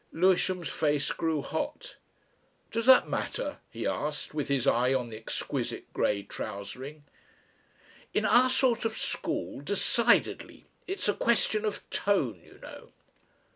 Lewisham's face grew hot. "Does that matter?" he asked, with his eye on the exquisite grey trousering. "In our sort of school decidedly. It's a question of tone, you know."